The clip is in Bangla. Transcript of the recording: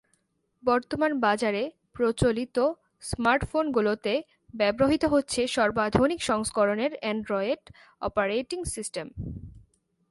বর্তমান বাজারে প্রচলিত স্মার্টফোনগুলোতে ব্যবহূত হচ্ছে সর্বাধুনিক সংস্করণের অ্যান্ড্রয়েড অপারেটিং সিস্টেম।